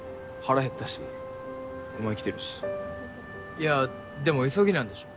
いやでも急ぎなんでしょ。